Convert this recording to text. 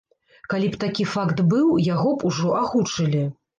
Калі б такі факт быў, яго б ужо агучылі.